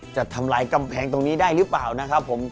จะทำลายกำแพงตรงนี้ได้หรือเปล่านะครับผม